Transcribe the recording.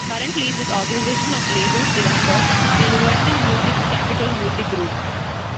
Currently, this organization of labels is under Universal Music's Capitol Music Group.